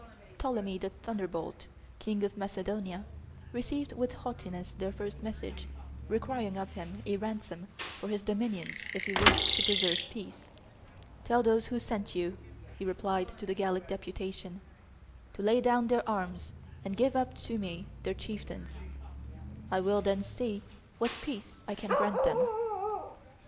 Ptolemy the Thunderbolt, King of Macedonia, received with haughtiness their first message requiring of him a ransom for his dominions if he wished to preserve peace. "Tell those who sent you," he replied to the Gallic deputation, "to lay down their arms and give up to me their chieftains. I will then see what peace I can grant them."